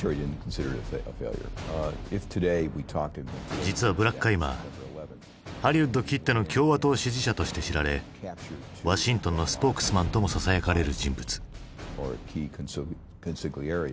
実はブラッカイマーハリウッドきっての共和党支持者として知られワシントンのスポークスマンともささやかれる人物。